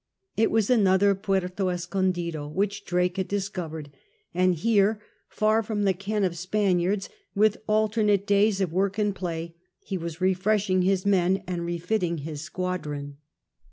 It was another Puerto Escondido which Drake had discovered, and here, far from the ken of Spaniards, with alternate days of work and play, he was refreshing his men and refitting his squadron.